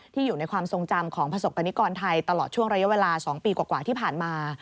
อยู่ในความทรงจำของประสบกรณิกรไทยตลอดช่วงระยะเวลา๒ปีกว่าที่ผ่านมา